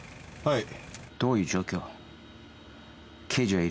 ・はい。